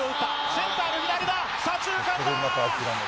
センターの左だ、左中間だ。